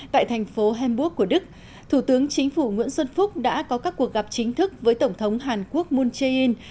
tại thành phố hamburg của đức thủ tướng chính phủ nguyễn xuân phúc đã có các cuộc gặp chính thức với tổng thống hàn quốc moon jae in